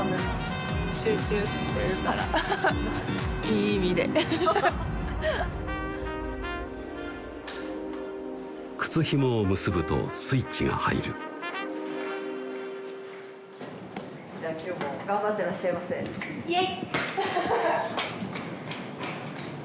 いい意味で靴ひもを結ぶとスイッチが入るじゃあ今日も頑張ってらっしゃいませイェイ！